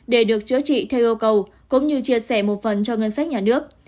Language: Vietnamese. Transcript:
để được chữa trị theo yêu cầu cũng như chia sẻ một phần cho ngân sách nhà nước